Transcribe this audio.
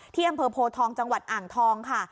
ที่อำเภอโพทองจังหวัดอ่างทองค่ะ